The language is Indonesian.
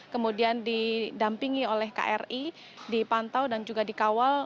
kemudian didampingi oleh kri dipantau dan juga dikawal